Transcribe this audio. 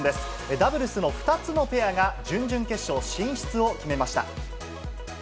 ダブルスの２つのペアが準々決勝進出を決めました。